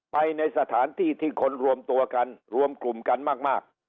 ไปในสถานที่ที่คนรวมตัวกันรวมกลุ่มกันมาก